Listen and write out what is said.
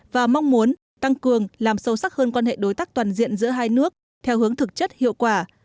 và mong muốn tăng cường làm sâu sắc hơn quan hệ đối tác toàn diện giữa hai nước theo hướng thực chất hiệu quả